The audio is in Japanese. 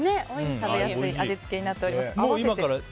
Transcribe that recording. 食べやすい味付けになっております。